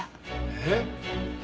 えっ？